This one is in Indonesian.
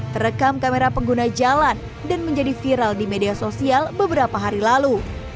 terekam kamera pengguna jalan dan menjadi viral di media sosial beberapa hari lalu